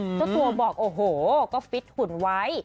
เจ้าตัวบอกโอ้โหก็ฟิตหุ่นไว้